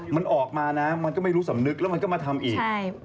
มันออกมานะมันก็ไม่รู้สำนึกแล้วมันก็มาทำอีก